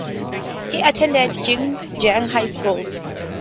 He attended Jingjiang High School.